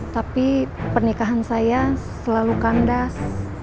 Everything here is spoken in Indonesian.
tapi pernikahan saya selalu kandas